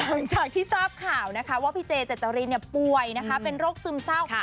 หลังจากที่ทราบข่าวนะคะว่าพี่เจเจจรินป่วยนะคะเป็นโรคซึมเศร้า